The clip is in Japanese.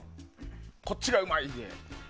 こっちがうまい！